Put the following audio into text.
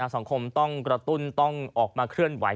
สังคมต้องกระตุ้นต้องออกมาเคลื่อนไหว